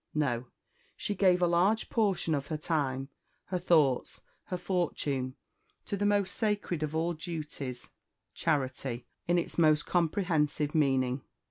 No: she gave a large portion of her time, her thoughts, her fortune, to the most sacred of all duties charity, in its most comprehensive meaning.